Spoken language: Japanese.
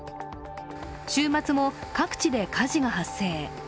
週末も各地で火事が発生。